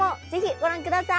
ご覧ください。